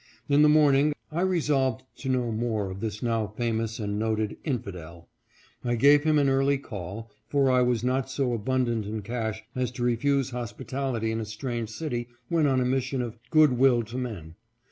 In the morning I resolved to know more of this now famous and noted " infidel." I gave him an early call, for I was not so abundant in cash as to refuse hospitality in a strange city when on a mission of " good will to men."